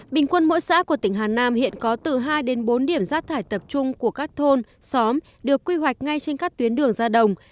bình quân mỗi xã của tỉnh hà nam hiện có từ hai đến bốn điểm rác thải tập trung của các thôn xóm được quy hoạch ngay trên các tuyến đường ra đồng